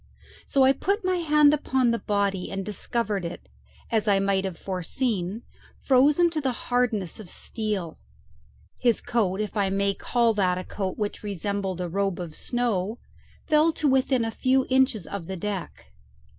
So I put my hand upon the body, and discovered it, as I might have foreseen, frozen to the hardness of steel. His coat if I may call that a coat which resembled a robe of snow fell to within a few inches of the deck.